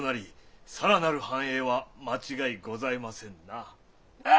さらなる繁栄は間違いございませんな。